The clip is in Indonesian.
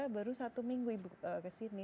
baru satu minggu ibu ke sini